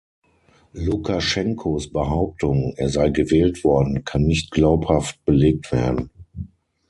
Lukaschenkos Behauptung, er sei gewählt worden, kann nicht glaubhaft belegt werden.